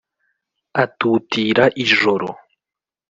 Atutira ijoro